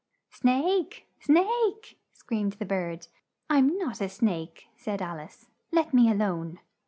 "Snake! snake!" screamed the bird. "I'm not a snake," said Al ice. "Let me a lone!"